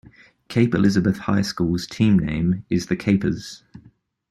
Cape Elizabeth High School's team name is the "Capers".